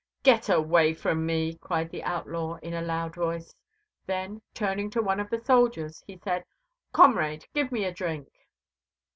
"Get away from me!" cried the outlaw, in a loud voice. Then, turning to one of the soldiers, he said: "Comrade, give me a drink."